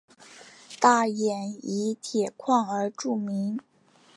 大冶以铁矿而著名。